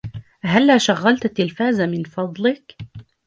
هلا شغلت التلفاز من فضلك؟